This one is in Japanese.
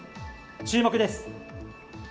注目です。